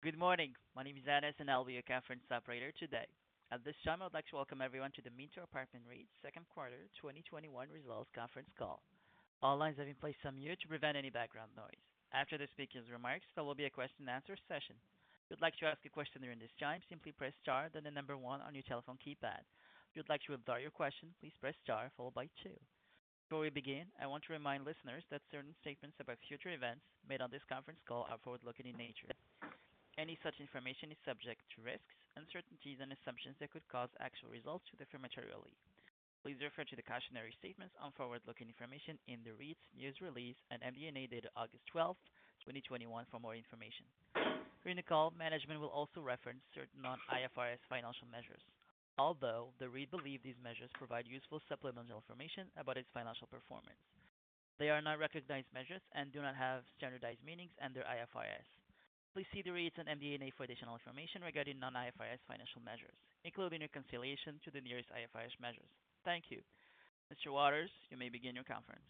Good morning. My name is Dennis, and I'll be your conference operator today. At this time, I would like to welcome everyone to the Minto Apartment REIT Second Quarter 2021 Results Conference Call. All lines have been placed on mute to prevent any background noise. After the speakers' remarks, there will be a question and answer session. If you'd like to ask a question during this time, simply press star, then the number one on your telephone keypad. If you'd like to withdraw your question, please press star followed by two. Before we begin, I want to remind listeners that certain statements about future events made on this conference call are forward-looking in nature. Any such information is subject to risks, uncertainties, and assumptions that could cause actual results to differ materially. Please refer to the cautionary statements on forward-looking information in the REIT's news release and MD&A dated August 12th, 2021, for more information. During the call, management will also reference certain non-IFRS financial measures. Although the REIT believes these measures provide useful supplemental information about its financial performance, they are not recognized measures and do not have standardized meanings under IFRS. Please see the REIT's and MD&A for additional information regarding non-IFRS financial measures, including reconciliation to the nearest IFRS measures. Thank you. Mr. Waters, you may begin your conference.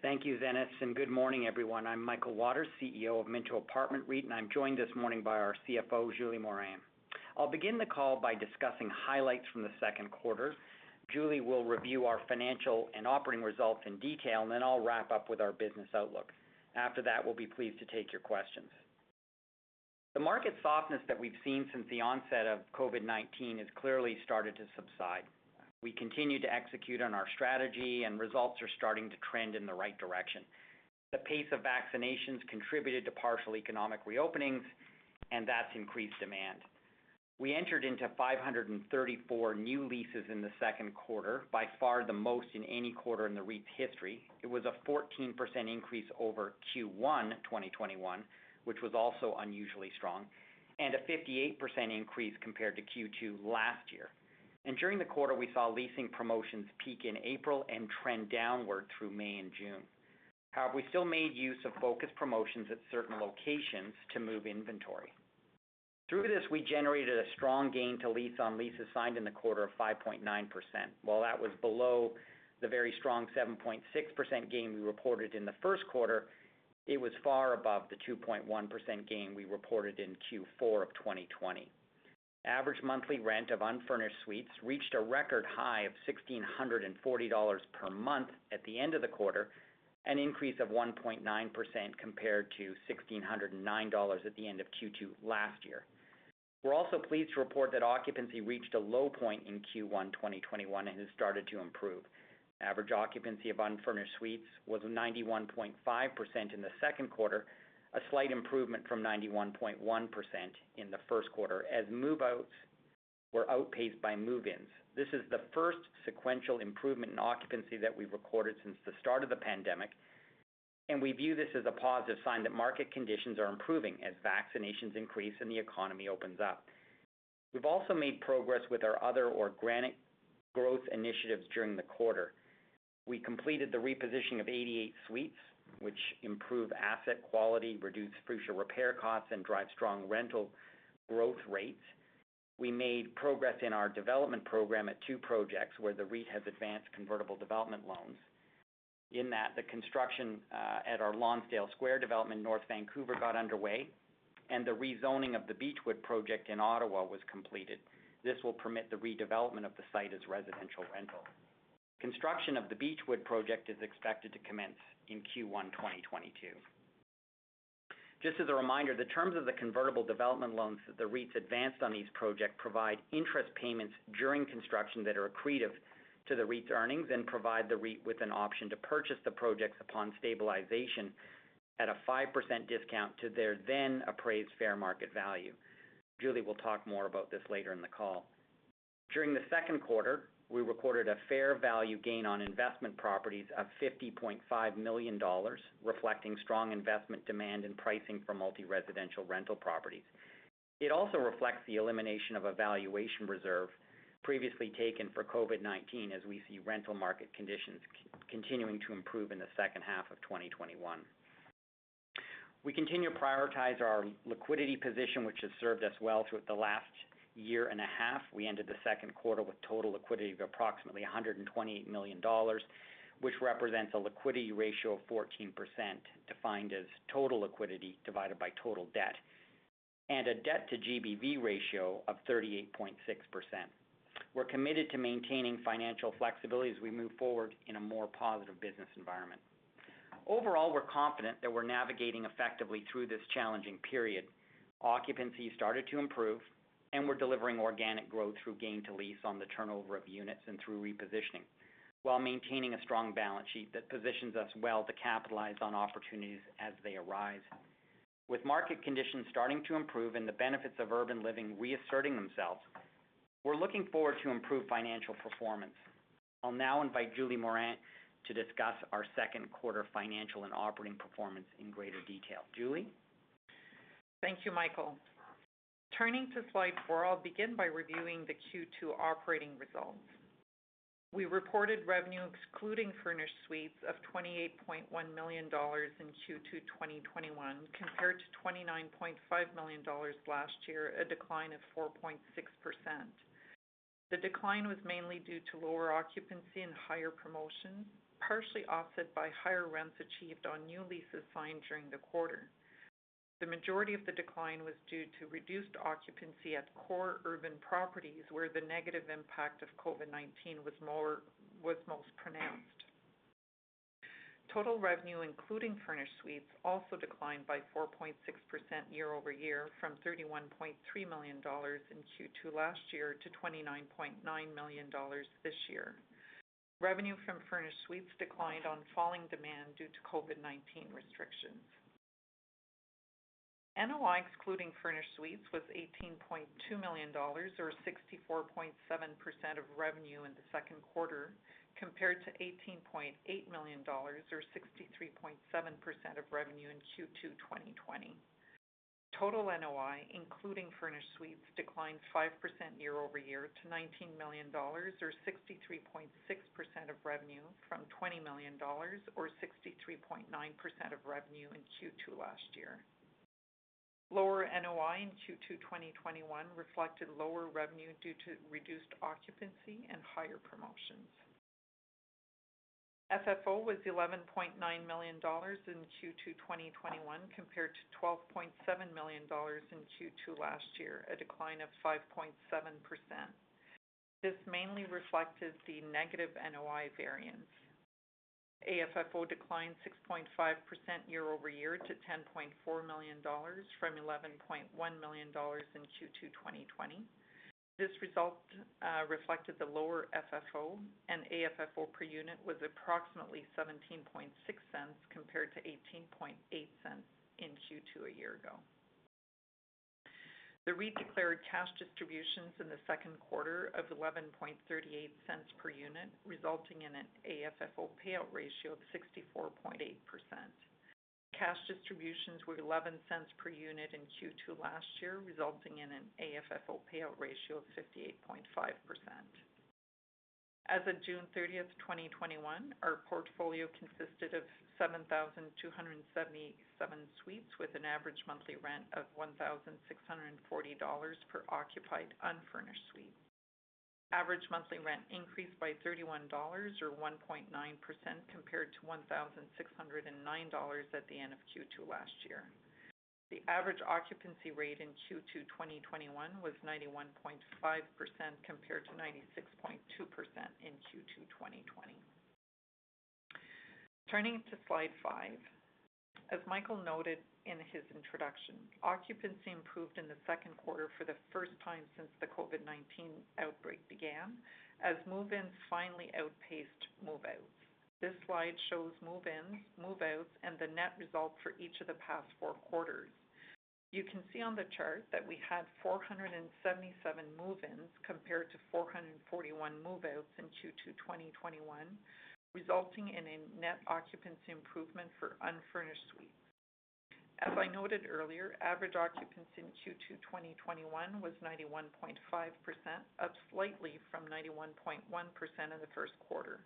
Thank you, Dennis. Good morning, everyone. I'm Michael Waters, CEO of Minto Apartment REIT, and I'm joined this morning by our CFO, Julie Morin. I'll begin the call by discussing highlights from the second quarter. Julie will review our financial and operating results in detail, and then I'll wrap up with our business outlook. After that, we'll be pleased to take your questions. The market softness that we've seen since the onset of COVID-19 has clearly started to subside. We continue to execute on our strategy and results are starting to trend in the right direction. The pace of vaccinations contributed to partial economic reopenings, and that's increased demand. We entered into 534 new leases in the second quarter, by far the most in any quarter in the REIT's history. It was a 14% increase over Q1 2021, which was also unusually strong, and a 58% increase compared to Q2 last year. During the quarter, we saw leasing promotions peak in April and trend downward through May and June. However, we still made use of focused promotions at certain locations to move inventory. Through this, we generated a strong gain to lease on leases signed in the quarter of 5.9%. While that was below the very strong 7.6% gain we reported in the first quarter, it was far above the 2.1% gain we reported in Q4 of 2020. Average monthly rent of unfurnished suites reached a record high of 1,640 dollars per month at the end of the quarter, an increase of 1.9% compared to 1,609 dollars at the end of Q2 last year. We're also pleased to report that occupancy reached a low point in Q1 2021 and has started to improve. Average occupancy of unfurnished suites was 91.5% in the second quarter, a slight improvement from 91.1% in the first quarter, as move-outs were outpaced by move-ins. This is the first sequential improvement in occupancy that we've recorded since the start of the COVID-19 pandemic, and we view this as a positive sign that market conditions are improving as vaccinations increase and the economy opens up. We've also made progress with our other organic growth initiatives during the quarter. We completed the repositioning of 88 suites, which improve asset quality, reduce future repair costs, and drive strong rental growth rates. We made progress in our development program at two projects where the REIT has advanced convertible development loans. In that, the construction at our Lonsdale Square development in North Vancouver got underway, and the rezoning of the Beechwood project in Ottawa was completed. This will permit the redevelopment of the site as residential rental. Construction of the Beechwood project is expected to commence in Q1 2022. Just as a reminder, the terms of the convertible development loans that the REIT's advanced on these projects provide interest payments during construction that are accretive to the REIT's earnings and provide the REIT with an option to purchase the projects upon stabilization at a 5% discount to their then appraised fair market value. Julie will talk more about this later in the call. During the second quarter, we recorded a fair value gain on investment properties of 50.5 million dollars, reflecting strong investment demand and pricing for multi-residential rental properties. It also reflects the elimination of a valuation reserve previously taken for COVID-19, as we see rental market conditions continuing to improve in the second half of 2021. We continue to prioritize our liquidity position, which has served us well throughout the last year and a half. We ended the second quarter with total liquidity of approximately 128 million dollars, which represents a liquidity ratio of 14%, defined as total liquidity divided by total debt, and a debt to GBV ratio of 38.6%. We're committed to maintaining financial flexibility as we move forward in a more positive business environment. Overall, we're confident that we're navigating effectively through this challenging period. Occupancy started to improve, and we're delivering organic growth through gain to lease on the turnover of units and through repositioning while maintaining a strong balance sheet that positions us well to capitalize on opportunities as they arise. With market conditions starting to improve and the benefits of urban living reasserting themselves, we're looking forward to improved financial performance. I'll now invite Julie Morin to discuss our second quarter financial and operating performance in greater detail. Julie? Thank you, Michael. Turning to slide 4, I'll begin by reviewing the Q2 operating results. We reported revenue excluding furnished suites of 28.1 million dollars in Q2 2021, compared to 29.5 million dollars last year, a decline of 4.6%. The decline was mainly due to lower occupancy and higher promotion, partially offset by higher rents achieved on new leases signed during the quarter. The majority of the decline was due to reduced occupancy at core urban properties where the negative impact of COVID-19 was most pronounced. Total revenue, including furnished suites, also declined by 4.6% year-over-year from 31.3 million dollars in Q2 last year to 29.9 million dollars this year. Revenue from furnished suites declined on falling demand due to COVID-19 restrictions. NOI, excluding furnished suites, was 18.2 million dollars, or 64.7% of revenue in the second quarter, compared to 18.8 million dollars, or 63.7% of revenue in Q2 2020. Total NOI, including furnished suites, declined 5% year-over-year to 19 million dollars, or 63.6% of revenue from 20 million dollars, or 63.9% of revenue in Q2 last year. Lower NOI in Q2 2021 reflected lower revenue due to reduced occupancy and higher promotions. FFO was 11.9 million dollars in Q2 2021 compared to 12.7 million dollars in Q2 last year, a decline of 5.7%. This mainly reflected the negative NOI variance. AFFO declined 6.5% year-over-year to 10.4 million dollars from 11.1 million dollars in Q2 2020. This result reflected the lower FFO, and AFFO per unit was approximately 0.176 compared to 0.188 in Q2 a year ago. The REIT declared cash distributions in the second quarter of 0.1138 per unit, resulting in an AFFO payout ratio of 64.8%. Cash distributions were 0.11 per unit in Q2 last year, resulting in an AFFO payout ratio of 58.5%. As of June 30th, 2021, our portfolio consisted of 7,277 suites with an average monthly rent of 1,640 dollars per occupied unfurnished suite. Average monthly rent increased by 31 dollars, or 1.9%, compared to 1,609 dollars at the end of Q2 last year. The average occupancy rate in Q2 2021 was 91.5%, compared to 96.2% in Q2 2020. Turning to slide 5. As Michael noted in his introduction, occupancy improved in the second quarter for the first time since the COVID-19 outbreak began, as move-ins finally outpaced move-outs. This slide shows move-ins, move-outs, and the net result for each of the past 4 quarters. You can see on the chart that we had 477 move-ins compared to 441 move-outs in Q2 2021, resulting in a net occupancy improvement for unfurnished suites. As I noted earlier, average occupancy in Q2 2021 was 91.5%, up slightly from 91.1% in the first quarter.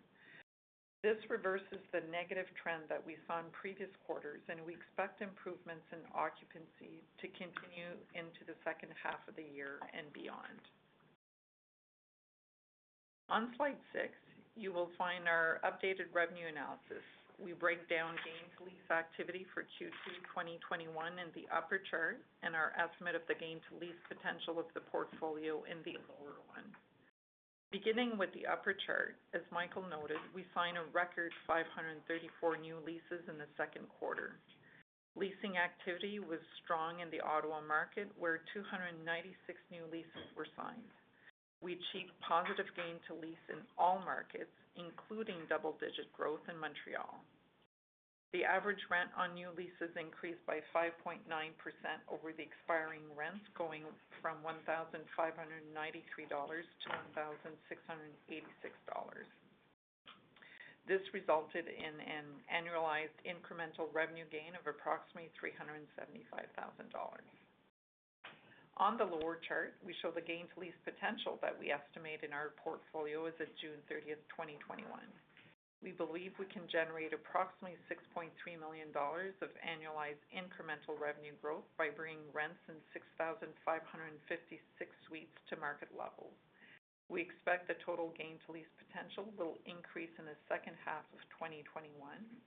This reverses the negative trend that we saw in previous quarters, and we expect improvements in occupancy to continue into the second half of the year and beyond. On slide 6, you will find our updated revenue analysis. We break down gain to lease activity for Q2 2021 in the upper chart, and our estimate of the gain to lease potential of the portfolio in the lower one. Beginning with the upper chart, as Michael noted, we signed a record 534 new leases in the second quarter. Leasing activity was strong in the Ottawa market, where 296 new leases were signed. We achieved positive gain to lease in all markets, including double-digit growth in Montreal. The average rent on new leases increased by 5.9% over the expiring rents, going from 1,593 dollars to 1,686 dollars. This resulted in an annualized incremental revenue gain of approximately 375,000 dollars. On the lower chart, we show the gain to lease potential that we estimate in our portfolio as of June 30th, 2021. We believe we can generate approximately 6.3 million dollars of annualized incremental revenue growth by bringing rents in 6,556 suites to market level. We expect the total gain to lease potential will increase in the second half of 2021,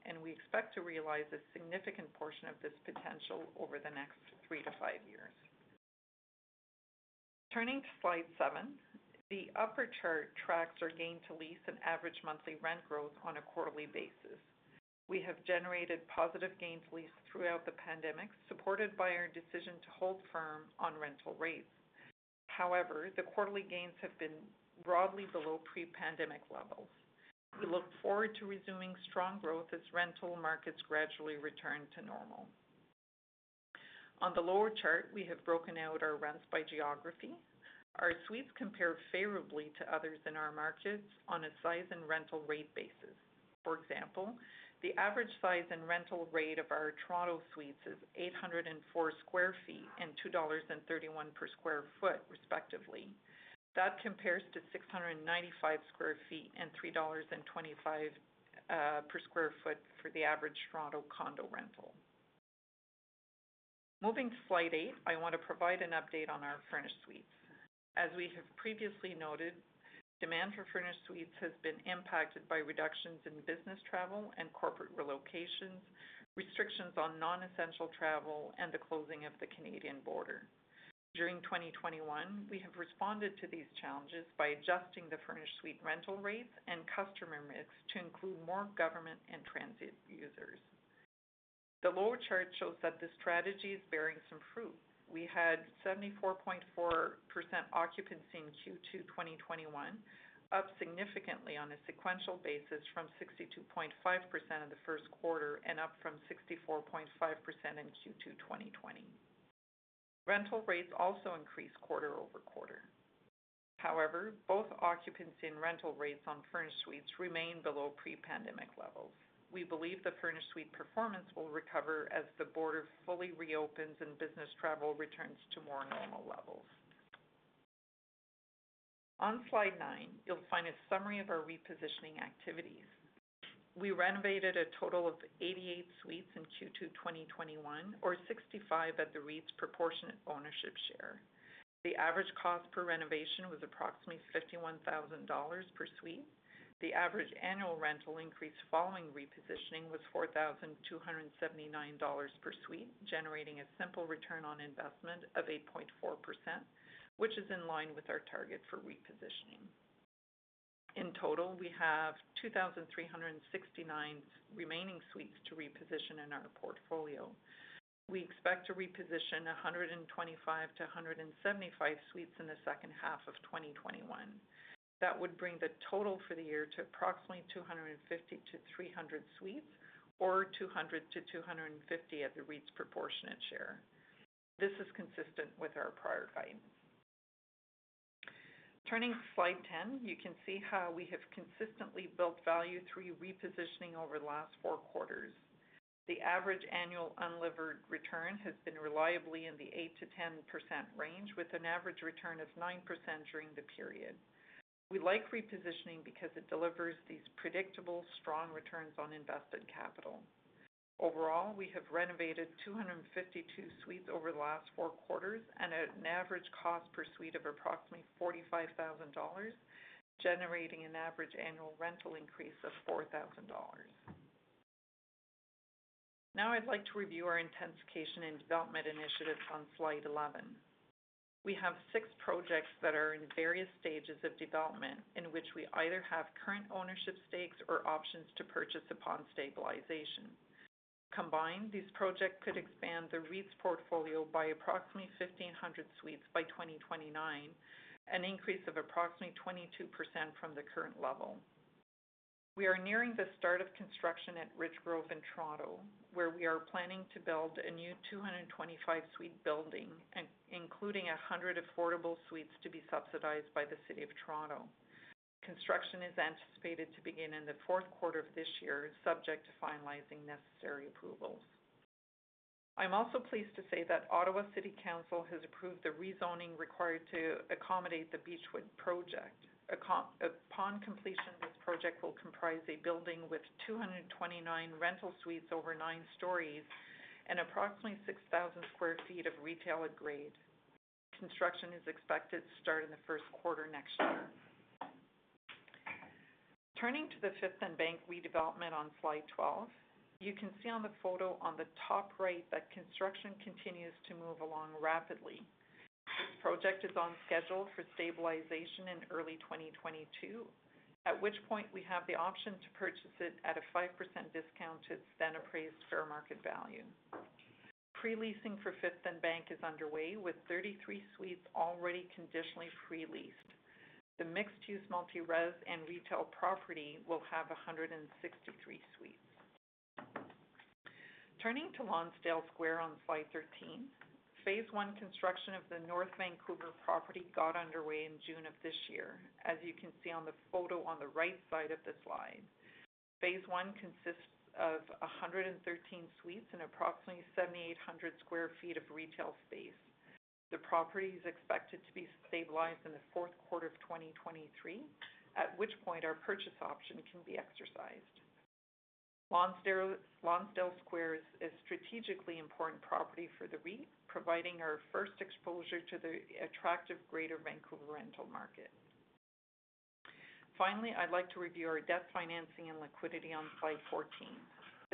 and we expect to realize a significant portion of this potential over the next 3-5 years. Turning to slide 7, the upper chart tracks our gain to lease and average monthly rent growth on a quarterly basis. We have generated positive gain to lease throughout the pandemic, supported by our decision to hold firm on rental rates. However, the quarterly gains have been broadly below pre-pandemic levels. We look forward to resuming strong growth as rental markets gradually return to normal. On the lower chart, we have broken out our rents by geography. Our suites compare favorably to others in our markets on a size and rental rate basis. For example, the average size and rental rate of our Toronto suites is 804 square feet and 2.31 dollars per square foot, respectively. That compares to 695 square feet and 3.25 dollars per square foot for the average Toronto condo rental. Moving to slide 8, I want to provide an update on our furnished suites. As we have previously noted, demand for furnished suites has been impacted by reductions in business travel and corporate relocations, restrictions on non-essential travel, and the closing of the Canadian border. During 2021, we have responded to these challenges by adjusting the furnished suite rental rates and customer mix to include more government and transit users. The lower chart shows that this strategy is bearing some fruit. We had 74.4% occupancy in Q2 2021, up significantly on a sequential basis from 62.5% in the first quarter and up from 64.5% in Q2 2020. Rental rates also increased quarter-over-quarter. However, both occupancy and rental rates on furnished suites remain below pre-pandemic levels. We believe the furnished suite performance will recover as the border fully reopens and business travel returns to more normal levels. On slide 9, you'll find a summary of our repositioning activities. We renovated a total of 88 suites in Q2 2021, or 65 at the REIT's proportionate ownership share. The average cost per renovation was approximately 51,000 dollars per suite. The average annual rental increase following repositioning was 4,279 dollars per suite, generating a simple return on investment of 8.4%, which is in line with our target for repositioning. In total, we have 2,369 remaining suites to reposition in our portfolio. We expect to reposition 125 to 175 suites in the second half of 2021. That would bring the total for the year to approximately 250 to 300 suites, or 200 to 250 at the REIT's proportionate share. This is consistent with our prior guidance. Turning to slide 10, you can see how we have consistently built value through repositioning over the last 4 quarters. The average annual unlevered return has been reliably in the 8%-10% range, with an average return of 9% during the period. We like repositioning because it delivers these predictable, strong returns on invested capital. Overall, we have renovated 252 suites over the last 4 quarters and at an average cost per suite of approximately 45,000 dollars, generating an average annual rental increase of 4,000 dollars. Now I'd like to review our intensification and development initiatives on slide 11. We have 6 projects that are in various stages of development in which we either have current ownership stakes or options to purchase upon stabilization. Combined, these projects could expand the REIT's portfolio by approximately 1,500 suites by 2029, an increase of approximately 22% from the current level. We are nearing the start of construction at Richgrove in Toronto, where we are planning to build a new 225-suite building, including 100 affordable suites to be subsidized by the City of Toronto. Construction is anticipated to begin in the 4th quarter of this year, subject to finalizing necessary approvals. I'm also pleased to say that Ottawa City Council has approved the rezoning required to accommodate the Beechwood project. Upon completion, this project will comprise a building with 229 rental suites over 9 stories and approximately 6,000 sq ft of retail at grade. Construction is expected to start in the first quarter next year. Turning to the Fifth and Bank redevelopment on slide 12, you can see on the photo on the top right that construction continues to move along rapidly. This project is on schedule for stabilization in early 2022, at which point we have the option to purchase it at a 5% discount to its then-appraised fair market value. Pre-leasing for Fifth and Bank is underway, with 33 suites already conditionally pre-leased. The mixed-use multi-res and retail property will have 163 suites. Turning to Lonsdale Square on slide 13, phase 1 construction of the North Vancouver property got underway in June of this year, as you can see on the photo on the right side of the slide. Phase 1 consists of 113 suites and approximately 7,800 sq ft of retail space. The property is expected to be stabilized in the 4th quarter of 2023, at which point our purchase option can be exercised. Lonsdale Square is a strategically important property for the REIT, providing our first exposure to the attractive Greater Vancouver rental market. I'd like to review our debt financing and liquidity on slide 14.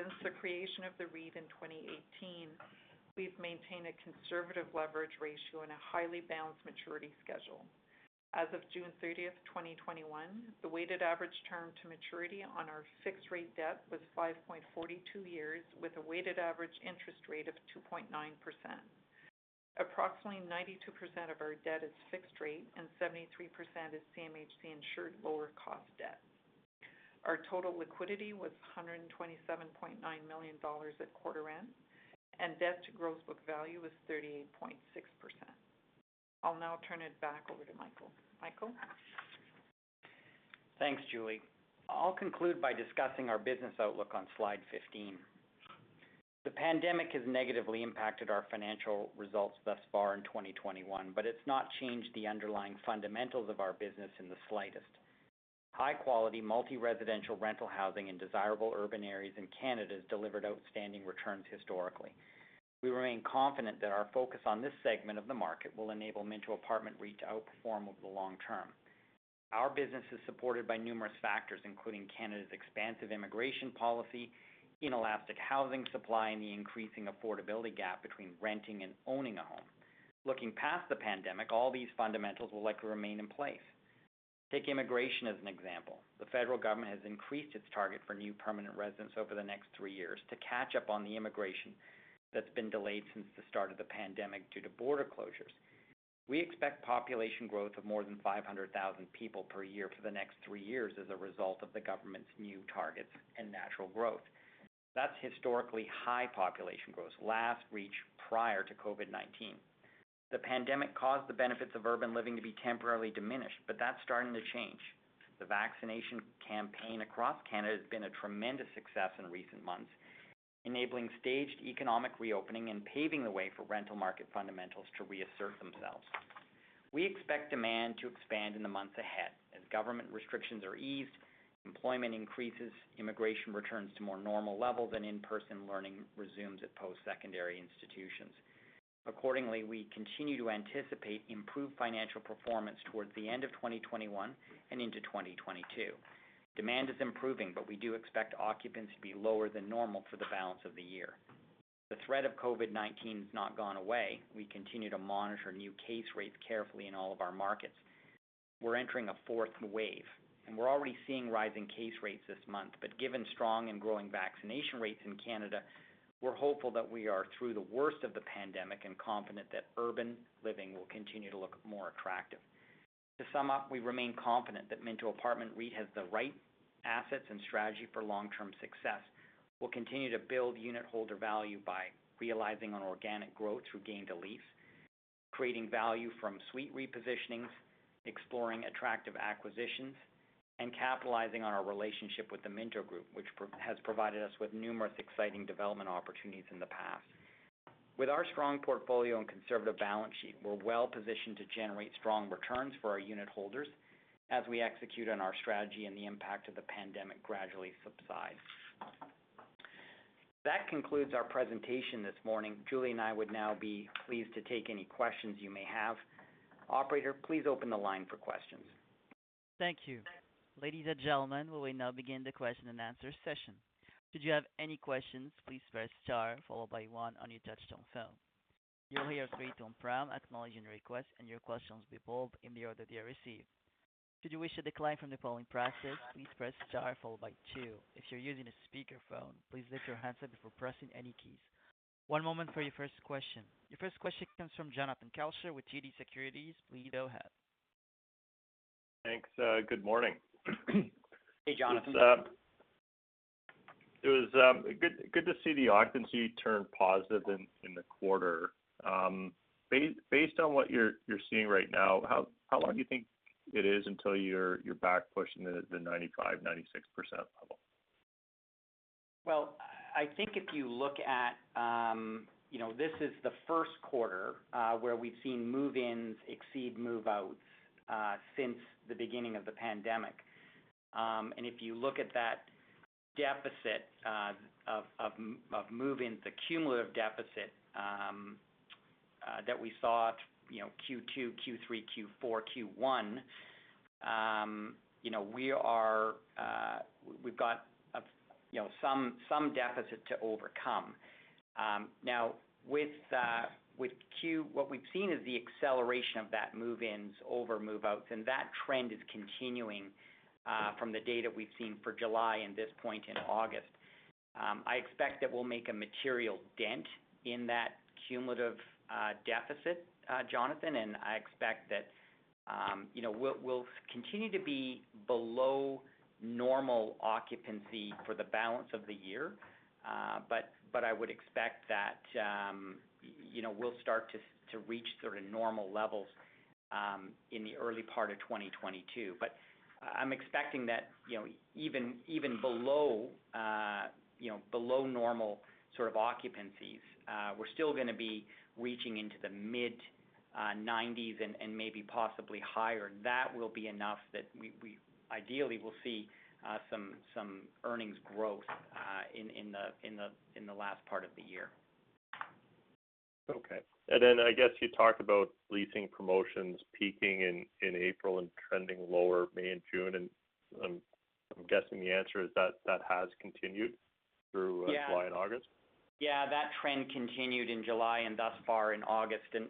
Since the creation of the REIT in 2018, we've maintained a conservative leverage ratio and a highly balanced maturity schedule. As of June 30, 2021, the weighted average term to maturity on our fixed-rate debt was 5.42 years, with a weighted average interest rate of 2.9%. Approximately 92% of our debt is fixed rate and 73% is CMHC-insured lower-cost debt. Our total liquidity was 127.9 million dollars at quarter end, and debt to gross book value was 38.6%. I'll now turn it back over to Michael. Michael? Thanks, Julie. I'll conclude by discussing our business outlook on slide 15. The pandemic has negatively impacted our financial results thus far in 2021, but it's not changed the underlying fundamentals of our business in the slightest. High-quality, multi-residential rental housing in desirable urban areas in Canada has delivered outstanding returns historically. We remain confident that our focus on this segment of the market will enable Minto Apartment REIT to outperform over the long term. Our business is supported by numerous factors, including Canada's expansive immigration policy, inelastic housing supply, and the increasing affordability gap between renting and owning a home. Looking past the pandemic, all these fundamentals are likely to remain in place. Take immigration as an example. The federal government has increased its target for new permanent residents over the next three years to catch up on the immigration that's been delayed since the start of the pandemic due to border closures. We expect population growth of more than 500,000 people per year for the next three years as a result of the government's new targets and natural growth. That's historically high population growth, last reached prior to COVID-19. The pandemic caused the benefits of urban living to be temporarily diminished, but that's starting to change. The vaccination campaign across Canada has been a tremendous success in recent months, enabling staged economic reopening and paving the way for rental market fundamentals to reassert themselves. We expect demand to expand in the months ahead as government restrictions are eased, employment increases, immigration returns to more normal levels, and in-person learning resumes at post-secondary institutions. Accordingly, we continue to anticipate improved financial performance towards the end of 2021 and into 2022. Demand is improving, we do expect occupancy to be lower than normal for the balance of the year. The threat of COVID-19 has not gone away. We continue to monitor new case rates carefully in all of our markets. We're entering a 4th wave, and we're already seeing rising case rates this month. Given strong and growing vaccination rates in Canada, we're hopeful that we are through the worst of the pandemic and confident that urban living will continue to look more attractive. To sum up, we remain confident that Minto Apartment REIT has the right assets and strategy for long-term success. We'll continue to build unitholder value by realizing on organic growth through gain to lease, creating value from suite repositionings, exploring attractive acquisitions, and capitalizing on our relationship with the Minto Group, which has provided us with numerous exciting development opportunities in the past. With our strong portfolio and conservative balance sheet, we're well-positioned to generate strong returns for our unitholders as we execute on our strategy and the impact of the pandemic gradually subsides. That concludes our presentation this morning. Julie and I would now be pleased to take any questions you may have. Operator, please open the line for questions. Thank you. Ladies and gentlemen, we will now begin the question and answer session. Your first question comes from Jonathan Kelcher with TD Securities. Please go ahead. Thanks. Good morning. Hey, Jonathan. It was good to see the occupancy turn positive in the quarter. Based on what you're seeing right now, how long do you think it is until you're back pushing the 95%, 96% level? Well, I think if you look at, this is the first quarter where we've seen move-ins exceed move-outs since the beginning of the pandemic. If you look at that deficit of move-ins, the cumulative deficit that we saw Q2, Q3, Q4, Q1, we've got some deficit to overcome. Now, what we've seen is the acceleration of that move-ins over move-outs, and that trend is continuing from the data we've seen for July and this point in August. I expect that we'll make a material dent in that cumulative deficit, Jonathan, and I expect that we'll continue to be below normal occupancy for the balance of the year. I would expect that we'll start to reach normal levels in the early part of 2022. I'm expecting that even below normal occupancies, we're still going to be reaching into the mid-90s and maybe possibly higher. That will be enough that ideally we'll see some earnings growth in the last part of the year. Okay. I guess you talked about leasing promotions peaking in April and trending lower May and June, and I'm guessing the answer is that has continued. Yeah July and August? Yeah, that trend continued in July and thus far in August. If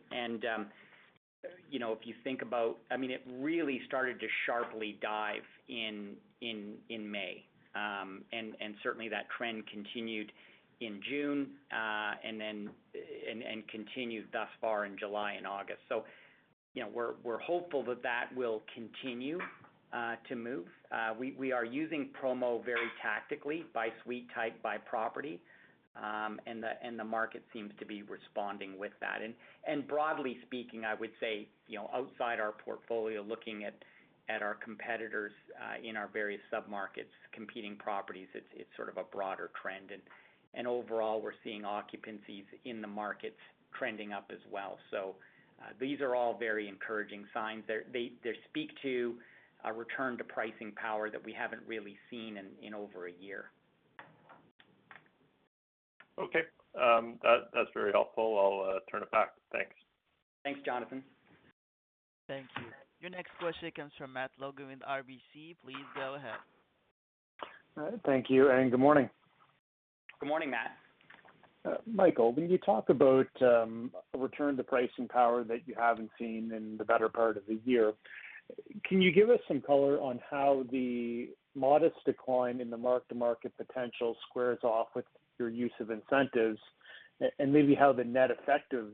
you think about, it really started to sharply dive in May. Certainly that trend continued in June, and continues thus far in July and August. We're hopeful that that will continue to move. We are using promo very tactically by suite type, by property, and the market seems to be responding with that. Broadly speaking, I would say, outside our portfolio, looking at our competitors in our various sub-markets, competing properties, it's sort of a broader trend. Overall, we're seeing occupancies in the markets trending up as well. These are all very encouraging signs. They speak to a return to pricing power that we haven't really seen in over a year. Okay. That's very helpful. I'll turn it back. Thanks. Thanks, Jonathan. Thank you. Your next question comes from Matt Logan with RBC. Please go ahead. Thank you, and good morning. Good morning, Matt. Michael, when you talk about a return to pricing power that you haven't seen in the better part of the year, can you give us some color on how the modest decline in the mark-to-market potential squares off with your use of incentives and maybe how the net effective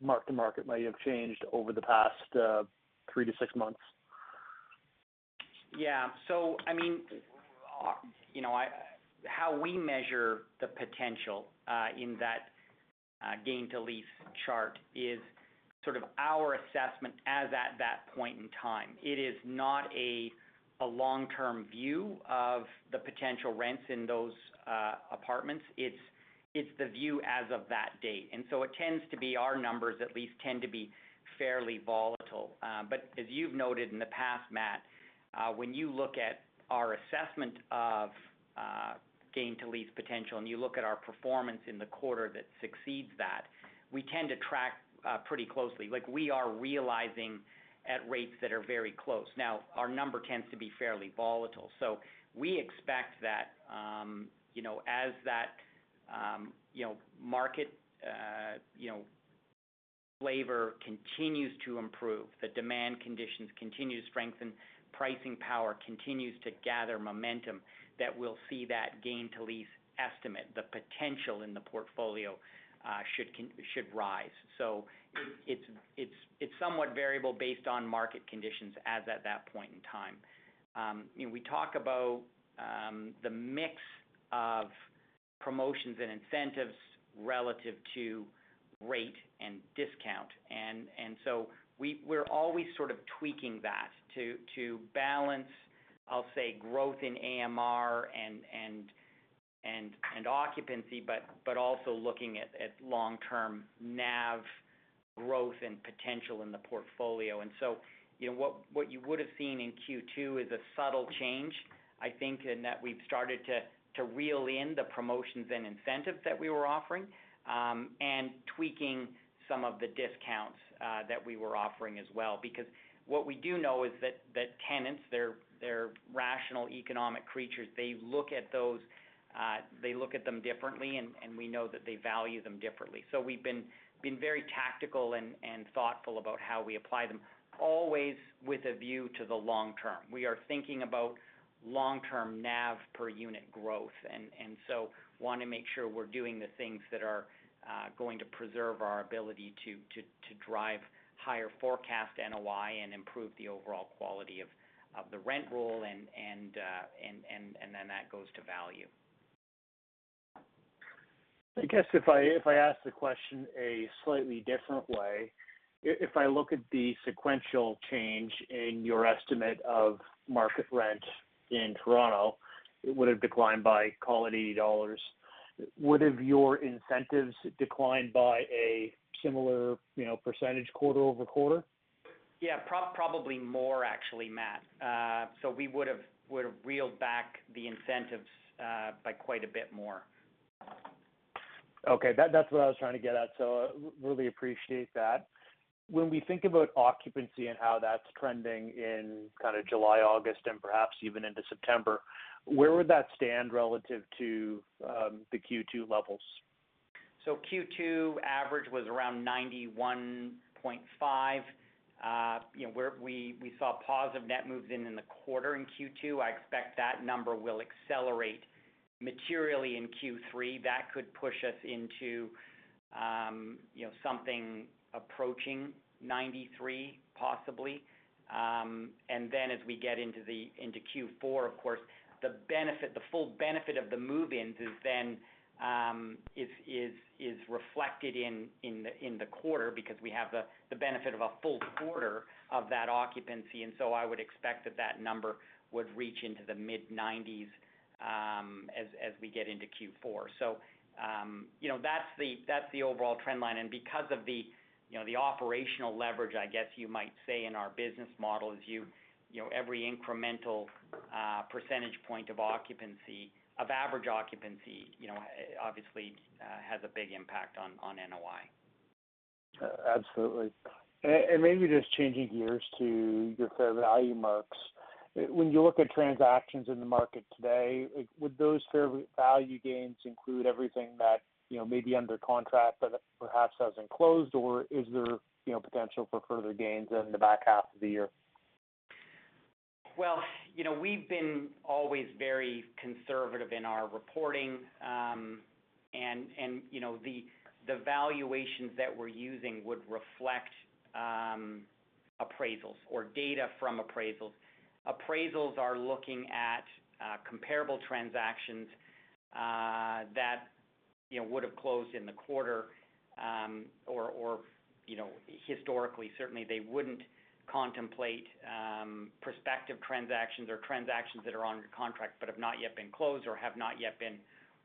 mark-to-market might have changed over the past three to six months? Yeah. How we measure the potential in that gain to lease chart is sort of our assessment as at that point in time. It is not a long-term view of the potential rents in those apartments. It's the view as of that date. It tends to be our numbers, at least, tend to be fairly volatile. As you've noted in the past, Matt, when you look at our assessment of gain to lease potential, and you look at our performance in the quarter that succeeds that, we tend to track pretty closely. We are realizing at rates that are very close. Now, our number tends to be fairly volatile. We expect that as that market flavor continues to improve, the demand conditions continue to strengthen, pricing power continues to gather momentum, that we'll see that gain to lease estimate. The potential in the portfolio should rise. It's somewhat variable based on market conditions as at that point in time. We talk about the mix of promotions and incentives relative to rate and discount. We're always sort of tweaking that to balance, I'll say, growth in AMR and occupancy, but also looking at long-term NAV growth and potential in the portfolio. What you would've seen in Q2 is a subtle change, I think, in that we've started to reel in the promotions and incentives that we were offering, and tweaking some of the discounts that we were offering as well. What we do know is that tenants, they're rational economic creatures. They look at them differently, and we know that they value them differently. We've been very tactical and thoughtful about how we apply them, always with a view to the long term. We are thinking about long-term NAV per unit growth, and so want to make sure we're doing the things that are going to preserve our ability to drive higher forecast NOI and improve the overall quality of the rent roll, and then that goes to value. I guess if I ask the question a slightly different way, if I look at the sequential change in your estimate of market rent in Toronto, it would've declined by, call it 80 dollars. Would've your incentives declined by a similar percentage quarter-over-quarter? Yeah. Probably more actually, Matt. We would've reeled back the incentives by quite a bit more. Okay. That's what I was trying to get at, so really appreciate that. When we think about occupancy and how that's trending in July, August, and perhaps even into September, where would that stand relative to the Q2 levels? Q2 average was around 91.5. We saw positive net moves in in the quarter in Q2. I expect that number will accelerate materially in Q3. That could push us into something approaching 93, possibly. Then as we get into Q4, of course, the full benefit of the move-ins is reflected in the quarter because we have the benefit of a full quarter of that occupancy. I would expect that that number would reach into the mid-90s as we get into Q4. That's the overall trend line. Because of the operational leverage, I guess you might say, in our business model as you every incremental percentage point of average occupancy obviously has a big impact on NOI. Absolutely. Maybe just changing gears to your fair value marks. When you look at transactions in the market today, would those fair value gains include everything that may be under contract but perhaps hasn't closed, or is there potential for further gains in the back half of the year? Well, we've been always very conservative in our reporting. The valuations that we're using would reflect appraisals or data from appraisals. Appraisals are looking at comparable transactions that would've closed in the quarter. Historically, certainly they wouldn't contemplate prospective transactions or transactions that are under contract but have not yet been closed or have not yet been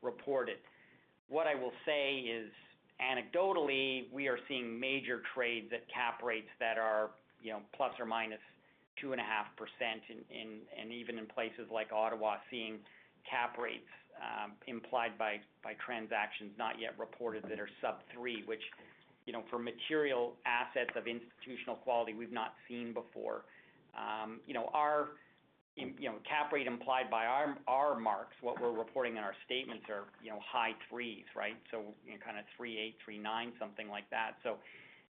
reported. What I will say is anecdotally, we are seeing major trades at cap rates that are ±2.5% and even in places like Ottawa, seeing cap rates implied by transactions not yet reported that are sub 3, which for material assets of institutional quality we've not seen before. Cap rate implied by our marks, what we're reporting in our statements are high 3s. 3.8, 3.9, something like that.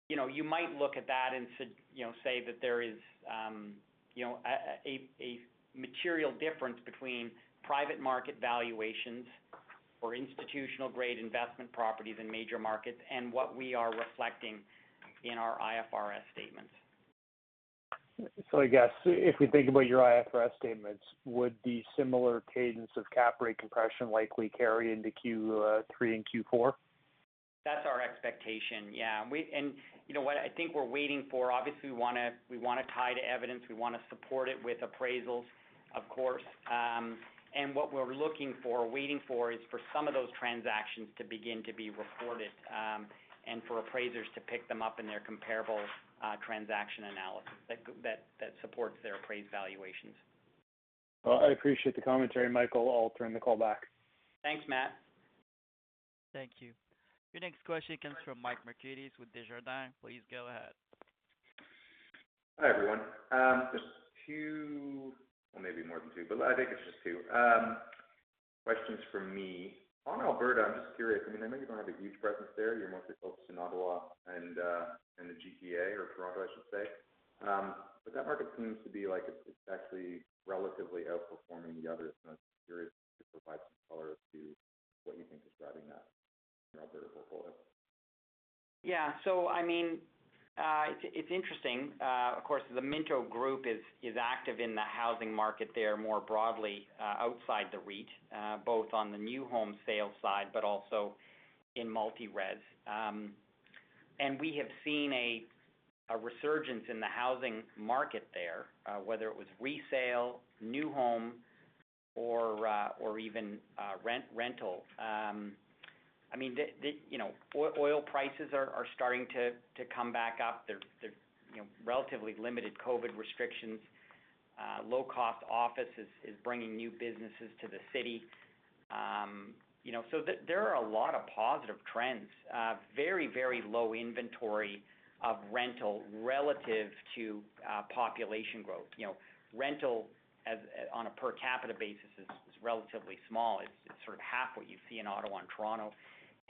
You might look at that and say that there is a material difference between private market valuations for institutional-grade investment properties in major markets and what we are reflecting in our IFRS statements. I guess if we think about your IFRS statements, would the similar cadence of cap rate compression likely carry into Q3 and Q4? That's our expectation, yeah. What I think we're waiting for, obviously we want to tie to evidence, we want to support it with appraisals, of course. What we're looking for, waiting for, is for some of those transactions to begin to be reported, and for appraisers to pick them up in their comparable transaction analysis that supports their appraised valuations. Well, I appreciate the commentary, Michael. I'll turn the call back. Thanks, Matt. Thank you. Your next question comes from Michael Markidis with Desjardins. Please go ahead. Hi, everyone. Just 2, well, maybe more than 2, but I think it's just 2, questions from me. On Alberta, I'm just curious. I know you don't have a huge presence there. You're mostly focused in Ottawa and the GTA or Toronto, I should say. That market seems to be like it's actually relatively outperforming the others. I was curious if you could provide some color as to what you think is driving that in your Alberta portfolio. Yeah. It's interesting. Of course, the Minto Group is active in the housing market there more broadly outside the REIT, both on the new home sales side, but also in multi-res. We have seen a resurgence in the housing market there, whether it was resale, new home or even rental. Oil prices are starting to come back up. There's relatively limited COVID restrictions. Low-cost office is bringing new businesses to the city. There are a lot of positive trends. Very low inventory of rental relative to population growth. Rental on a per capita basis is relatively small. It's sort of half what you see in Ottawa and Toronto.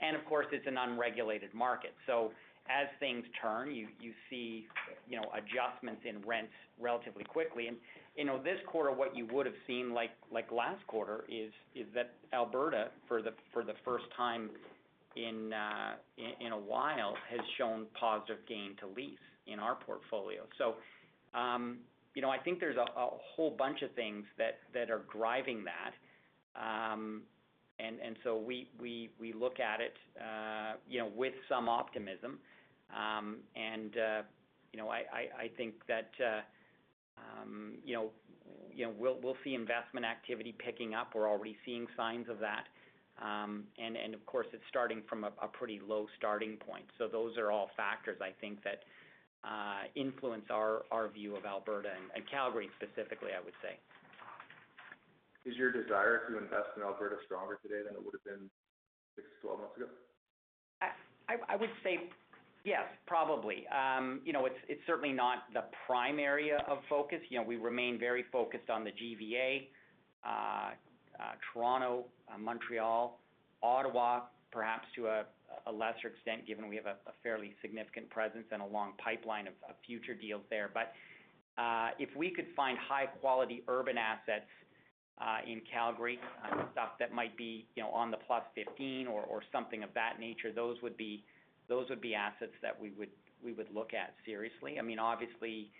Of course, it's an unregulated market. As things turn, you see adjustments in rents relatively quickly. This quarter, what you would've seen, like last quarter, is that Alberta, for the first time in a while, has shown positive gain to lease in our portfolio. I think there's a whole bunch of things that are driving that. We look at it with some optimism. I think that we'll see investment activity picking up. We're already seeing signs of that. Of course, it's starting from a pretty low starting point. Those are all factors, I think, that influence our view of Alberta and Calgary specifically, I would say. Is your desire to invest in Alberta stronger today than it would've been 6-12 months ago? I would say yes, probably. It's certainly not the prime area of focus. We remain very focused on the GTA, Toronto, Montreal, Ottawa, perhaps to a lesser extent, given we have a fairly significant presence and a long pipeline of future deals there. If we could find high-quality urban assets in Calgary, stuff that might be on the Plus 15 or something of that nature, those would be assets that we would look at seriously. Obviously,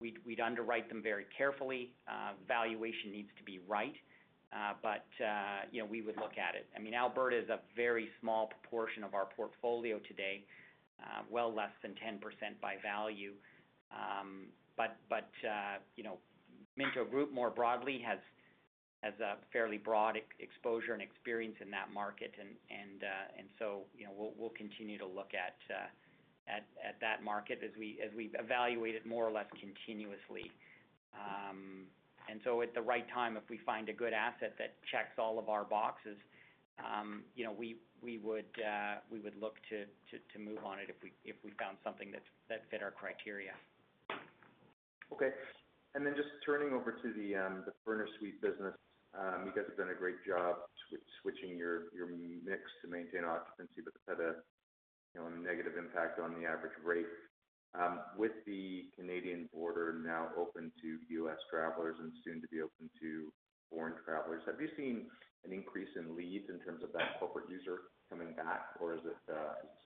we'd underwrite them very carefully. Valuation needs to be right. We would look at it. Alberta is a very small proportion of our portfolio today. Well less than 10% by value. Minto Group more broadly has a fairly broad exposure and experience in that market. We'll continue to look at that market as we evaluate it more or less continuously. At the right time, if we find a good asset that checks all of our boxes, we would look to move on it if we found something that fit our criteria. Okay. Just turning over to the Furnished Suite business. You guys have done a great job switching your mix to maintain occupancy, but that's had a negative impact on the average rate. With the Canadian border now open to U.S. travelers and soon to be open to foreign travelers, have you seen an increase in leads in terms of that corporate user coming back, or is it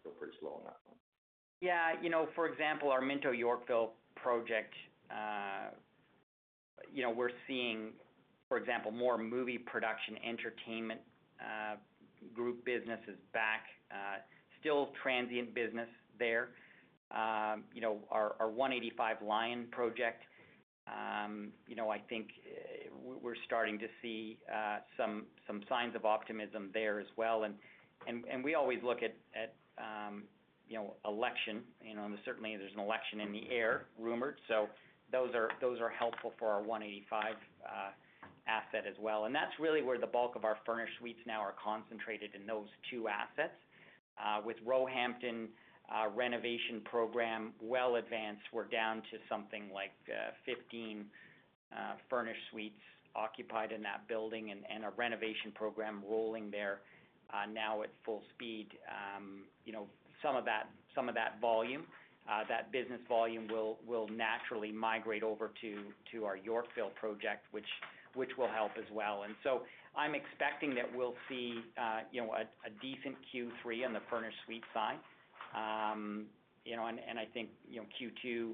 still pretty slow on that front? Yeah. For example, our Minto Yorkville project we're seeing, for example, more movie production entertainment group businesses back. Still transient business there. Our 185 Lyon project, I think we're starting to see some signs of optimism there as well. We always look at election, and certainly there's an election in the air rumored. Those are helpful for our 185 asset as well. That's really where the bulk of our furnished suites now are concentrated in those two assets. With Roehampton renovation program well advanced, we're down to something like 15 furnished suites occupied in that building, and a renovation program rolling there now at full speed. Some of that volume, that business volume, will naturally migrate over to our Yorkville project, which will help as well. I'm expecting that we'll see a decent Q3 on the furnished suite side. I think Q2,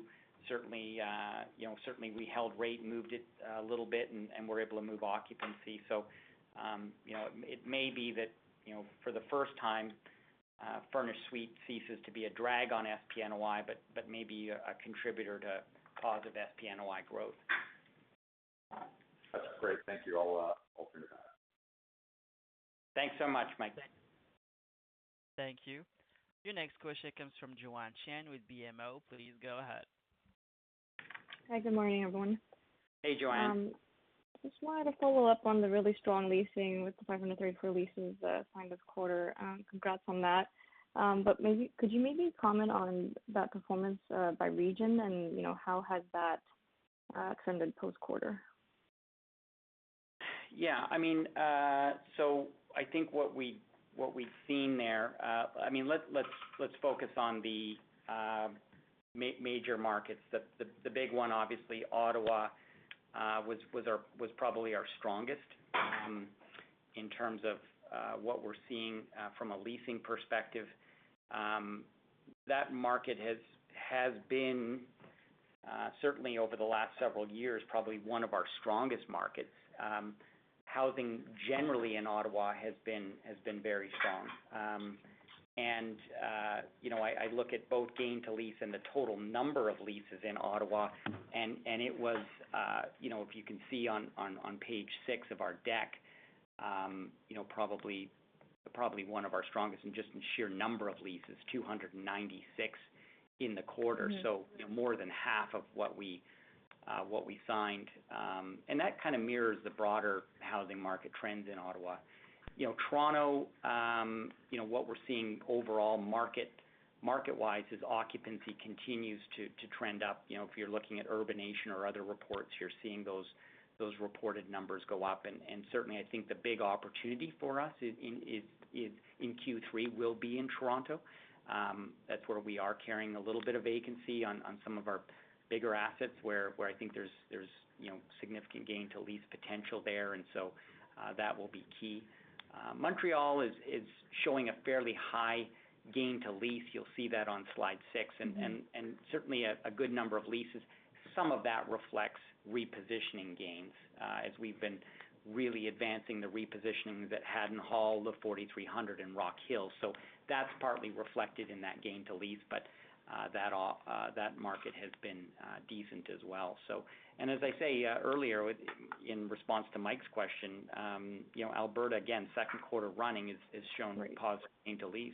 certainly we held rate, moved it a little bit, and were able to move occupancy. It may be that, for the first time, furnished suite ceases to be a drag on SPNOI, but may be a contributor to cause of SPNOI growth. That's great. Thank you. I'll turn it back. Thanks so much, Michael. Thank you. Your next question comes from Joanne Chen with BMO. Please go ahead. Hi, good morning, everyone. Hey, Joanne. Just wanted to follow up on the really strong leasing with the 534 leases signed this quarter. Congrats on that. Could you maybe comment on that performance by region, and how has that extended post-quarter? Yeah. I think what we've seen there. Let's focus on the major markets. The big one, obviously, Ottawa, was probably our strongest in terms of what we're seeing from a leasing perspective. That market has been, certainly over the last several years, probably one of our strongest markets. Housing generally in Ottawa has been very strong. I look at both gain to lease and the total number of leases in Ottawa, and it was, if you can see on page 6 of our deck, probably one of our strongest in just sheer number of leases, 296 in the quarter. More than half of what we signed. That kind of mirrors the broader housing market trends in Ottawa. Toronto, what we're seeing overall market-wise is occupancy continues to trend up. If you're looking at Urbanation or other reports, you're seeing those reported numbers go up. Certainly, I think the big opportunity for us in Q3 will be in Toronto. That's where we are carrying a little bit of vacancy on some of our bigger assets, where I think there's significant gain to lease potential there. That will be key. Montreal is showing a fairly high gain to lease. You'll see that on slide 6. Certainly a good number of leases. Some of that reflects repositioning gains, as we've been really advancing the repositioning of the Haddon Hall, the 4300, and Rockhill. That's partly reflected in that gain to lease. That market has been decent as well. As I say earlier in response to Mike's question, Alberta, again, second quarter running, has shown positive gain to lease.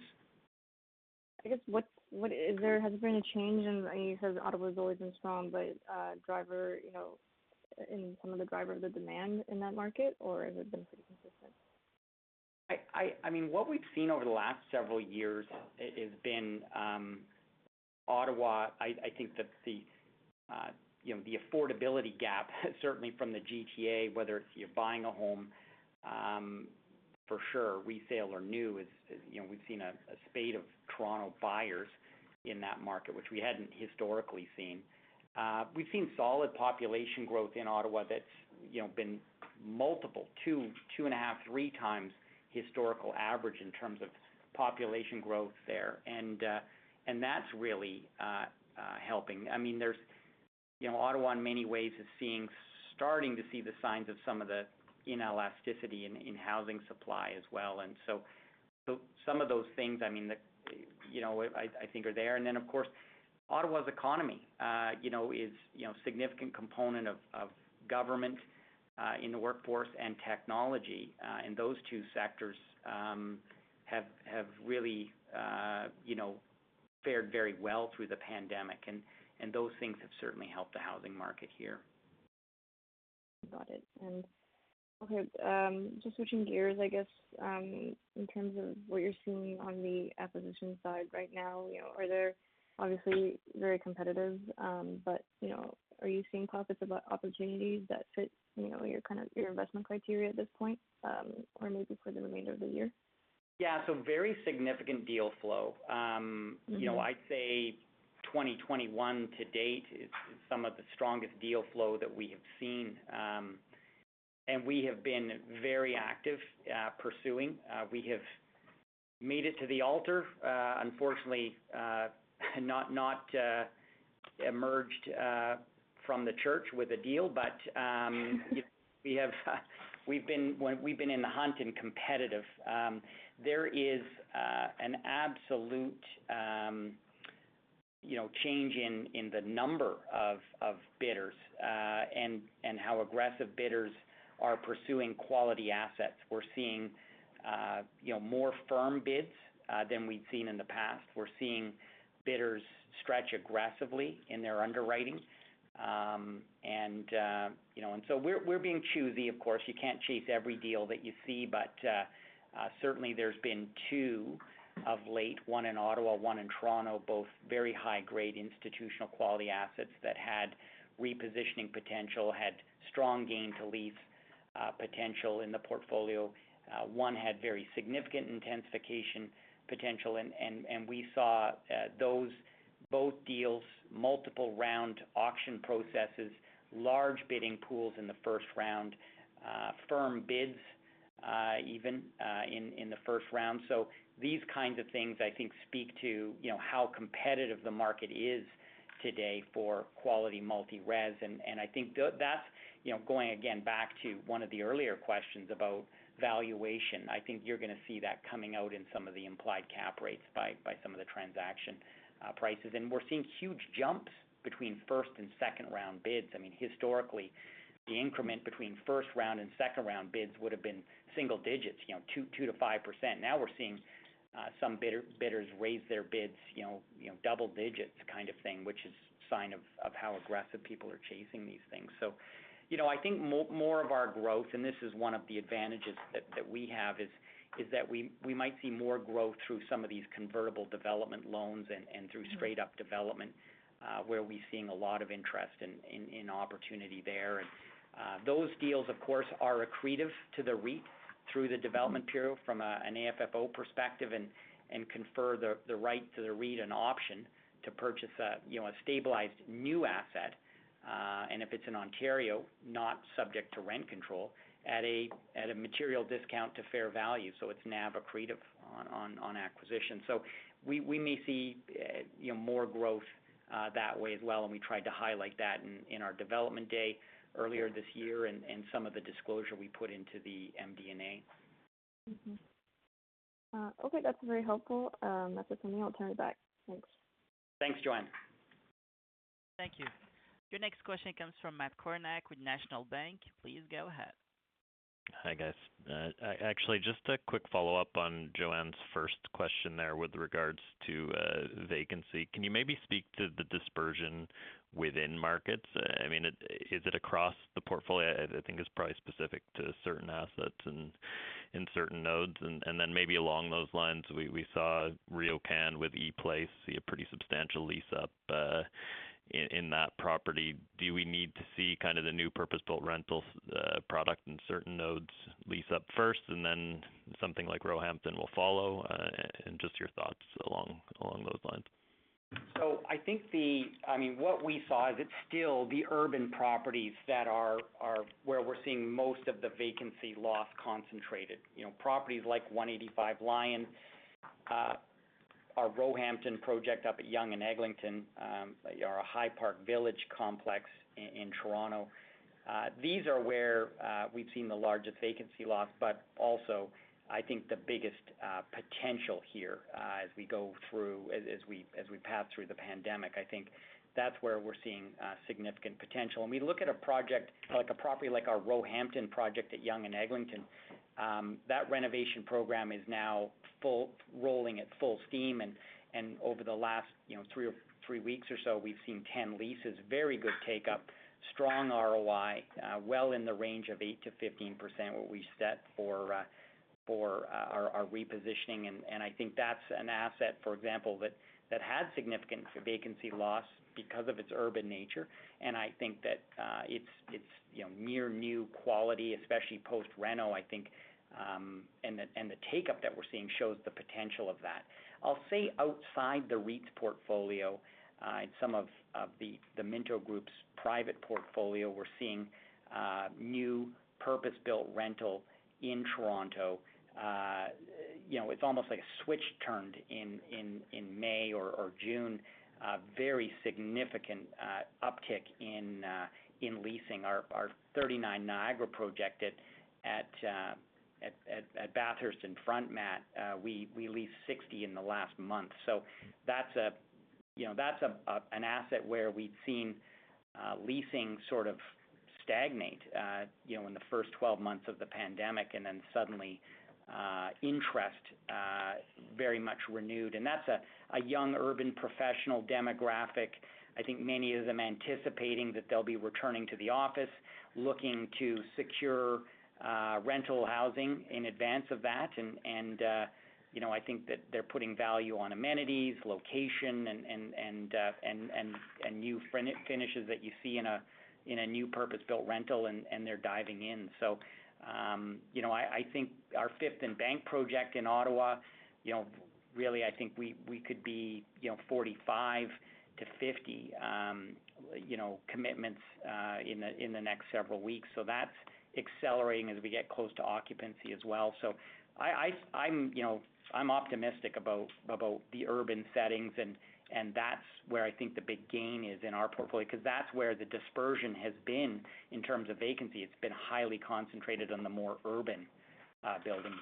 I guess, has there been a change in, I mean, because Ottawa's always been strong, but in some of the drivers of demand in that market, or has it been pretty consistent? What we've seen over the last several years has been Ottawa, I think that the affordability gap, certainly from the GTA, whether it's you're buying a home, for sure, resale or new is, we've seen a spate of Toronto buyers in that market, which we hadn't historically seen. We've seen solid population growth in Ottawa that's been multiple, 2 and a half, 3 times historical average in terms of population growth there. That's really helping. Ottawa in many ways is starting to see the signs of some of the inelasticity in housing supply as well. Some of those things I think are there. Of course, Ottawa's economy is significant component of government in the workforce and technology. Those two sectors have really fared very well through the pandemic. Those things have certainly helped the housing market here. Got it. Okay, just switching gears, I guess, in terms of what you're seeing on the acquisition side right now. Obviously very competitive, but are you seeing pockets of opportunities that fit your investment criteria at this point? Or maybe for the remainder of the year? Yeah. very significant deal flow. I'd say 2021 to date is some of the strongest deal flow that we have seen. We have been very active pursuing. We have made it to the altar. Unfortunately, not emerged from the church with a deal. We've been in the hunt and competitive. There is an absolute change in the number of bidders, and how aggressive bidders are pursuing quality assets. We're seeing more firm bids than we'd seen in the past. We're seeing bidders stretch aggressively in their underwriting. We're being choosy, of course. You can't chase every deal that you see, but certainly there's been two of late, one in Ottawa, one in Toronto, both very high-grade institutional quality assets that had repositioning potential, had strong gain to lease potential in the portfolio. One had very significant intensification potential. We saw those both deals, multiple round auction processes, large bidding pools in the first round, firm bids even, in the first round. These kinds of things, I think, speak to how competitive the market is today for quality multi-res. I think that's going, again, back to one of the earlier questions about valuation. I think you're going to see that coming out in some of the implied cap rates by some of the transaction prices. We're seeing huge jumps between first and second-round bids. Historically, the increment between first-round and second-round bids would've been single digits, 2%-5%. Now we're seeing some bidders raise their bids double digits kind of thing, which is a sign of how aggressive people are chasing these things. I think more of our growth, and this is one of the advantages that we have, is that we might see more growth through some of these convertible development loans. straight-up development, where we're seeing a lot of interest in opportunity there. Those deals, of course, are accretive to the REIT through the development period from an AFFO perspective and confer the right to the REIT an option to purchase a stabilized new asset. If it's in Ontario, not subject to rent control, at a material discount to fair value. It's NAV accretive on acquisition. We may see more growth that way as well, and we tried to highlight that in our development day earlier this year and some of the disclosure we put into the MD&A. Okay. That's very helpful. That's it for me. I'll turn it back. Thanks. Thanks, Joanne. Thank you. Your next question comes from Matt Kornack with National Bank. Please go ahead. Hi, guys. Actually, just a quick follow-up on Joanne's first question there with regards to vacancy. Can you maybe speak to the dispersion within markets? Is it across the portfolio? I think it's probably specific to certain assets and certain nodes. Then maybe along those lines, we saw RioCan with ePlace see a pretty substantial lease up in that property. Do we need to see kind of the new purpose-built rental product in certain nodes lease up first and then something like Roehampton will follow? Just your thoughts along those lines. I think what we saw is it's still the urban properties that are where we're seeing most of the vacancy loss concentrated. Properties like 185 Lyon, our Roehampton project up at Yonge and Eglinton, our High Park Village complex in Toronto. These are where we've seen the largest vacancy loss, but also, I think, the biggest potential here as we pass through the pandemic. I think that's where we're seeing significant potential. We look at a project like a property like our Roehampton project at Yonge and Eglinton. That renovation program is now rolling at full steam. Over the last 3 weeks or so, we've seen 10 leases. Very good take-up. Strong ROI. Well in the range of 8%-15%, what we set for our repositioning. I think that's an asset, for example, that had significant vacancy loss because of its urban nature. I think that it's near-new quality, especially post-reno, I think. The take-up that we're seeing shows the potential of that. I'll say outside the REIT's portfolio, in some of the Minto Group's private portfolio, we're seeing new purpose-built rental in Toronto. It's almost like a switch turned in May or June. A very significant uptick in leasing. Our 39 Niagara project at Bathurst and Front, Matt, we leased 60 in the last month. That's an asset where we'd seen leasing sort of stagnate in the first 12 months of the pandemic, and then suddenly interest very much renewed. That's a young urban professional demographic. I think many of them anticipating that they'll be returning to the office, looking to secure rental housing in advance of that. I think that they're putting value on amenities, location and new finishes that you see in a new purpose-built rental, and they're diving in. I think our Fifth and Bank project in Ottawa, really, I think we could be 45 to 50 commitments in the next several weeks. That's accelerating as we get close to occupancy as well. I'm optimistic about the urban settings and that's where I think the big gain is in our portfolio, because that's where the dispersion has been in terms of vacancy. It's been highly concentrated on the more urban buildings.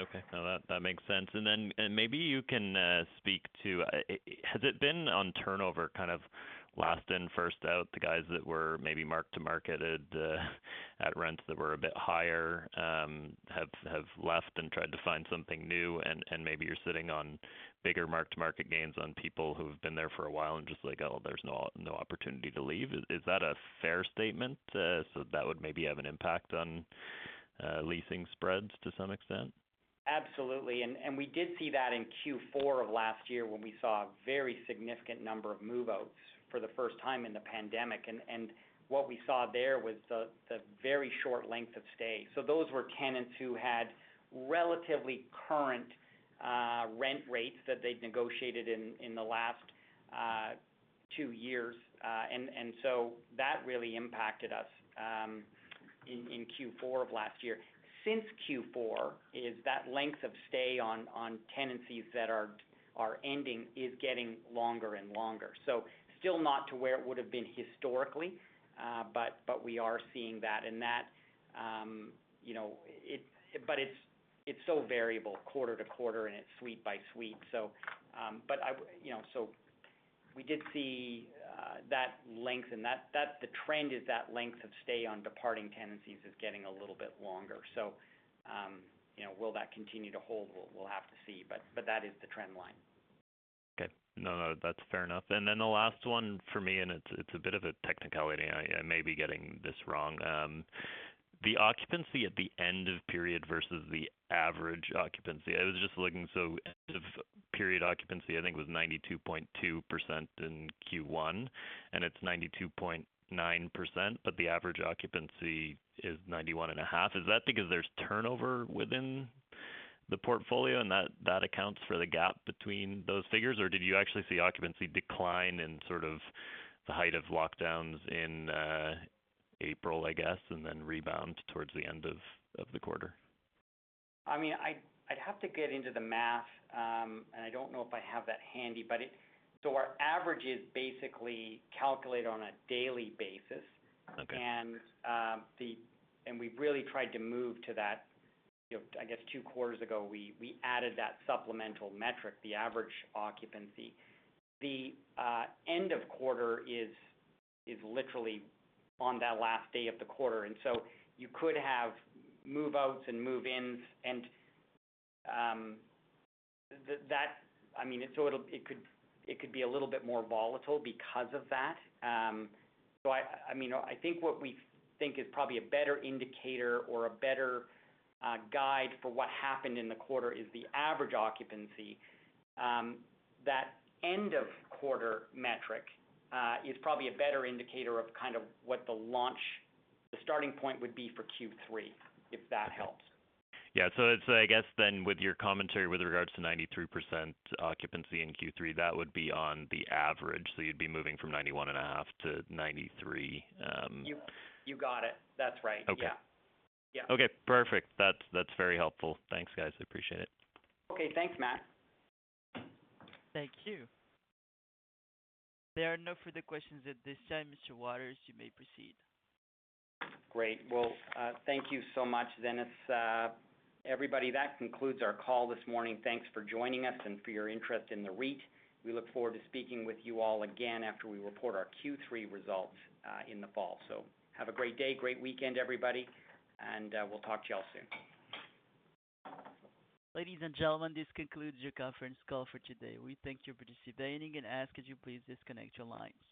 Okay. No, that makes sense. Then maybe you can speak to, has it been on turnover kind of last in first out, the guys that were maybe marked to market at rents that were a bit higher have left and tried to find something new and maybe you're sitting on bigger mark to market gains on people who've been there for a while and just like, "Oh, there's no opportunity to leave." Is that a fair statement? That would maybe have an impact on leasing spreads to some extent. Absolutely. We did see that in Q4 of last year when we saw a very significant number of move-outs for the first time in the pandemic. What we saw there was the very short length of stay. Those were tenants who had relatively current rent rates that they'd negotiated in the last 2 years. That really impacted us in Q4 of last year. Since Q4 is that length of stay on tenancies that are ending is getting longer and longer. Still not to where it would've been historically, but we are seeing that. It's so variable quarter to quarter and it's suite by suite. We did see that length and the trend is that length of stay on departing tenancies is getting a little bit longer. Will that continue to hold? We'll have to see, but that is the trend line. Okay. No, that's fair enough. The last one for me, it's a bit of a technicality. I may be getting this wrong. The occupancy at the end of period versus the average occupancy. I was just looking, end of period occupancy, I think was 92.2% in Q1 and it's 92.9%, but the average occupancy is 91.5%. Is that because there's turnover within the portfolio and that accounts for the gap between those figures? Did you actually see occupancy decline in sort of the height of lockdowns in April, I guess, and then rebound towards the end of the quarter? I'd have to get into the math, and I don't know if I have that handy. Our average is basically calculated on a daily basis. Okay. We've really tried to move to that, I guess two quarters ago, we added that supplemental metric, the average occupancy. The end of quarter is literally on that last day of the quarter. You could have move-outs and move-ins and it could be a little bit more volatile because of that. I think what we think is probably a better indicator or a better guide for what happened in the quarter is the average occupancy. That end of quarter metric, is probably a better indicator of kind of what the launch, the starting point would be for Q3, if that helps. Yeah. I guess with your commentary with regards to 93% occupancy in Q3, that would be on the average. You'd be moving from 91.5% to 93%. You got it. That's right. Okay. Yeah. Okay, perfect. That's very helpful. Thanks guys, appreciate it. Okay, thanks Matt. Thank you. There are no further questions at this time. Mr. Waters, you may proceed. Great. Well, thank you so much, Dennis. Everybody, that concludes our call this morning. Thanks for joining us and for your interest in the REIT. We look forward to speaking with you all again after we report our Q3 results in the fall. Have a great day, great weekend everybody, and we'll talk to you all soon. Ladies and gentlemen, this concludes your conference call for today. We thank you for participating and ask that you please disconnect your lines.